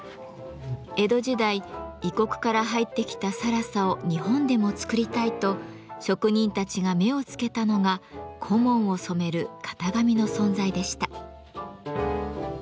江戸時代異国から入ってきた更紗を日本でも作りたいと職人たちが目を付けたのが小紋を染める型紙の存在でした。